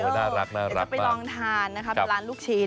เออน่ารักมากจะไปลองทานนะครับร้านลูกชิ้น